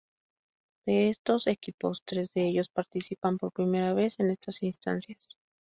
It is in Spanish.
De estos equipos, tres de ellos participan por primera vez en estas instancias.